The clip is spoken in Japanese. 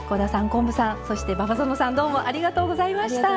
昆布さんそして馬場園さんどうもありがとうございました。